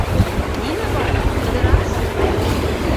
— Нимә бар, Ҡыҙырас?!